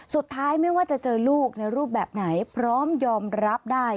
สุดท้ายไม่ว่าจะเจอลูกในรูปแบบไหนพร้อมยอมรับได้